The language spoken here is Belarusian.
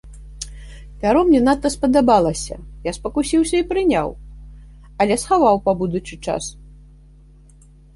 Пяро мне надта спадабалася, я спакусіўся і прыняў, але схаваў па будучы час.